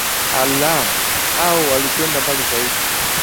aalam hao walikwenda mbali zaidi